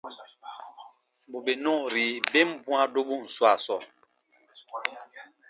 Bù bè nɔɔri ben bwãa dobun swaa sɔɔ,